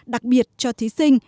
đặc biệt cho thí sinh